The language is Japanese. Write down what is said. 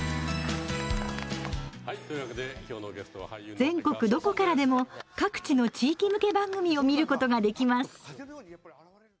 全国どこからでも各地の地域向け番組を見ることができます。